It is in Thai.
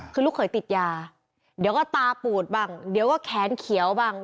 คือลูกเขยติดยาเดี๋ยวก็ตาปูดบ้างเดี๋ยวก็แขนเขียวบ้าง